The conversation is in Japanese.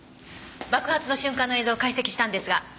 爆発の瞬間の映像を解析したんですが亜美ちゃん。